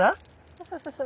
そうそうそうそう。